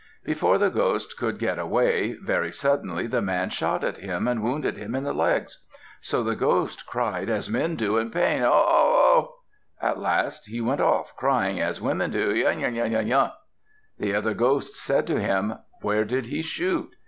Before the ghost could get away, very suddenly the man shot at him and wounded him in the legs. So the ghost cried as men do in pain, "Au! au! au!" At last he went off, crying as women do, "Yun! yun! yun! yun!" The other ghosts said to him, "Where did he shoot?"